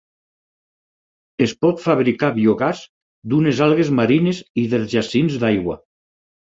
Es pot fabricar biogàs d'unes algues marines i dels jacints d'aigua.